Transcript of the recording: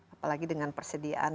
apalagi dengan persediaan